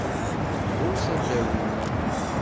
Huz adaw-im.